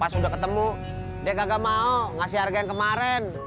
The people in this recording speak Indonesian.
pas udah ketemu dia kagak mau ngasih harga yang kemarin